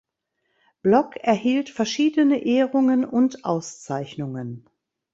Blok erhielt verschiedene Ehrungen und Auszeichnungen.